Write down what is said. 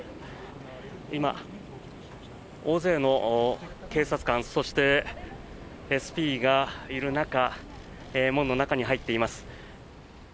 今、大勢の警察官そしてＳＰがいる中門の中に入っています。